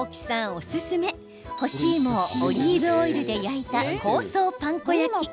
おすすめ干し芋をオリーブオイルで焼いた香草パン粉焼き。